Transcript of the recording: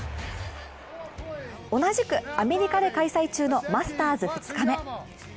同じくアメリカで開催中のマスターズ２日目。